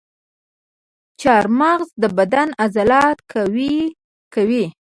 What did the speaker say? چارمغز د بدن عضلات قوي کوي.